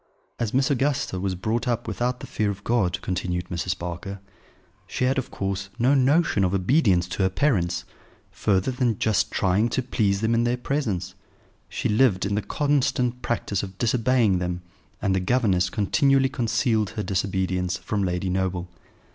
"As Miss Augusta was brought up without the fear of God," continued Mrs. Barker, "she had, of course, no notion of obedience to her parents, further than just trying to please them in their presence; she lived in the constant practice of disobeying them, and the governess continually concealed her disobedience from Lady Noble.